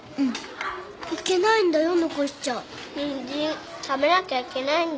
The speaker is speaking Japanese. ニンジン食べなきゃいけないんだよ。